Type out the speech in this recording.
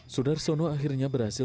sudarsono akhirnya berhasil